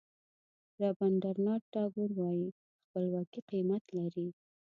رابندراناټ ټاګور وایي خپلواکي قیمت لري.